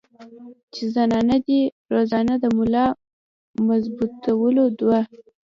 چې زنانه دې روزانه د ملا مضبوطولو دوه